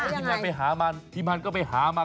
พี่มันไปหามาพี่มันก็ไปหามา